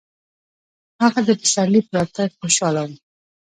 هغه د پسرلي په راتګ خوشحاله و.